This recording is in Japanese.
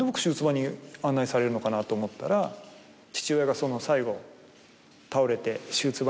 父親がその最後。